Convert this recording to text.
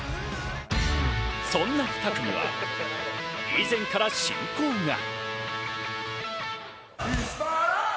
そんな２組は以前から親交が。